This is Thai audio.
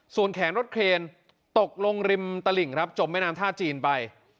ส่วนแขนรถเครนตกลงริมตลิ่งครับจมแม่น้ำท่าจีนไป